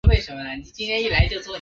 不能给孩子好一点的东西